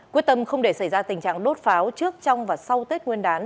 quyết tâm không để xảy ra tình trạng đốt pháo trước trong và sau tết nguyên đán